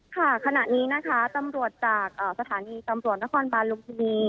ขณะนี้นะคะตำรวจจากสถานีตำรวจนครบานลุมพินี